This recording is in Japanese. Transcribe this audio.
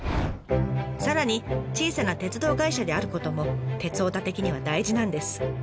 さらに小さな鉄道会社であることも鉄オタ的には大事なんです。